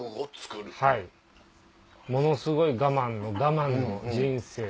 はいものすごい我慢の我慢の人生でしたし。